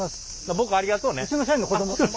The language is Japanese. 僕ありがとうね。